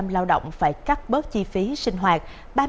sáu mươi lao động phải cắt bớt chi phí sinh hoạt